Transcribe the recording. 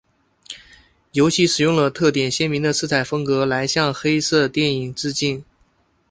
游戏使用了特点鲜明的色彩风格来向黑色电影致敬。